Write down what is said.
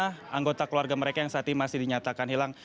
karena anggota keluarga mereka yang saat ini masih dinyatakan hilang